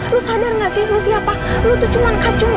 lo sadar gak sih lo siapa lo tuh cuma kacung gue